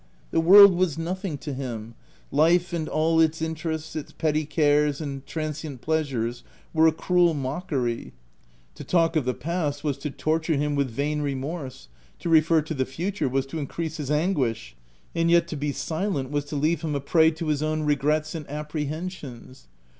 The world was nothing to him : life and all its interests, its petty cares and transient pleasures were a cruel mockery. To talk of the past, was to torture him with vain remorse ; to refer to the future, was to increase his anguish ; and yet to be silent, was to leave him a prey to his own re OF WILDFELL HALL. 245 grets and apprehensions.